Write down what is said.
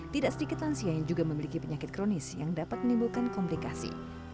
tidak sedikit lansia yang juga memiliki penyakit kronis yang dapat menimbulkan komplikasi